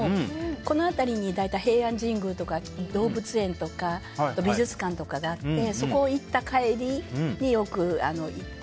この辺りに大体、平安神宮とか動物園とか美術館とかあってそこに行った帰りによく行って。